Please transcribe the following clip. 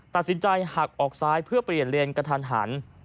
ตัดสินใจหักออกซ้ายเพื่อเปลี่ยนเลนกระทันหัน